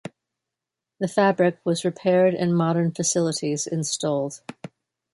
The fabric was repaired, and modern facilities installed.